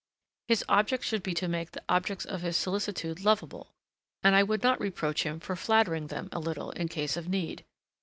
His object should be to make the objects of his solicitude lovable, and I would not reproach him for flattering them a little, in case of need.